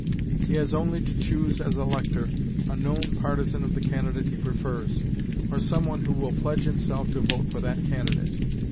He has only to choose as elector a known partisan of the candidate he prefers, or some one who will pledge himself to vote for that candidate.